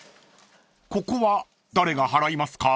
［ここは誰が払いますか？］